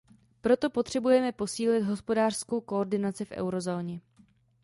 Proto potřebujeme posílit hospodářskou koordinaci v eurozóně.